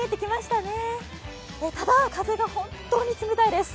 ただ、風が本当に冷たいです。